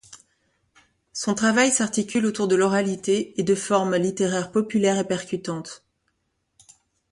Son travail s'articule autour de l'oralité et de formes littéraires populaires et percutantes.